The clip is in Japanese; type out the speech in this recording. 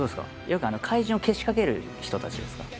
よく怪獣をけしかける人たちですか？